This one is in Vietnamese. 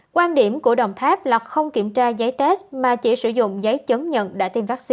quan điểm của đồng tháp là không kiểm tra giấy test mà chỉ sử dụng giấy chứng nhận đã tiêm vaccine